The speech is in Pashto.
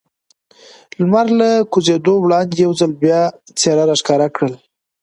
لمر له کوزېدو وړاندې یو ځل بیا څېره را ښکاره کړل.